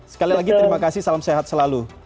sekali lagi terima kasih salam sehat selalu